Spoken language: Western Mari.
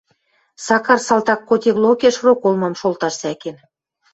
Сакар салтак котелокеш роколмам шолташ сӓкен.